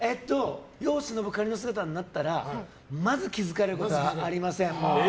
世を忍ぶ仮の姿になったらまず気づかれることはありません。